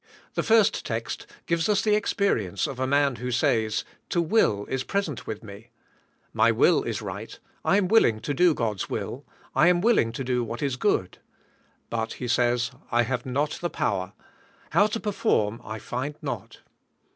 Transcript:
The first text gives us the experience of a man who says, "To will is present with me." My will is right; I am willing to do God's will; I am willing to do what is good. "But," he says, "I have not the power. How to per form I find not."